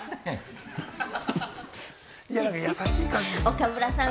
岡村さん